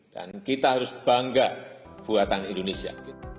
dan kita harus bangga buatan indonesia